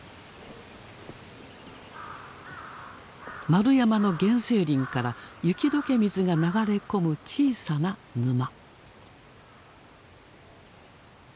円山の原生林から雪解け水が流れ込む小さな沼。